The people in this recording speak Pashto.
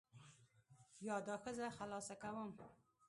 یا دا ښځه خلاصه کوم.